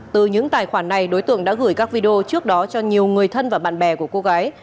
từ những tài khoản này đối tượng đã gửi các video trước đó cho nhiều người thân và bạn bè của cô gái